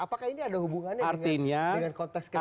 apakah ini ada hubungannya dengan konteks sekarang